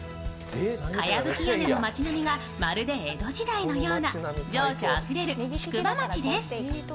かやぶき屋根の町並みがまるで江戸時代のような情緒あふれる宿場町です。